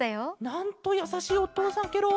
なんとやさしいおとうさんケロ。